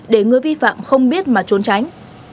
để người vi phạm không biết mà trốn tránh